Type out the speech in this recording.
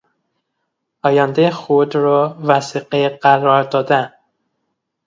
آیندهی خود را وثیقه قرار دادن